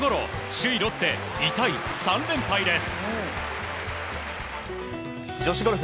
首位ロッテ、痛い３連敗です。